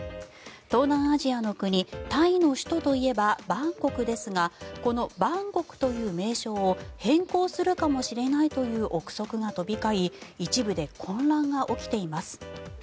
東南アジアの国タイの首都といえばバンコクですがこのバンコクという名称を変更するかもしれないという臆測が飛び交い一部で混乱が起きています。